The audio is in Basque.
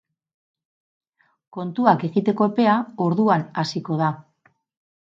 Kontuak egiteko epea orduan hasiko da.